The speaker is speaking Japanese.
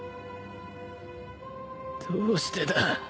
どうしてだ